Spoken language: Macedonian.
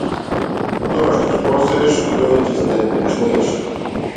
Тоа што ќе посееш тоа и ќе жнееш.